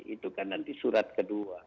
itu kan nanti surat kedua